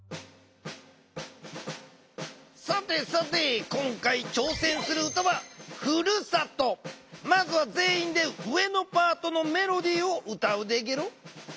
さてさて今回まずは全員で上のパートのメロディーを歌うでゲロ。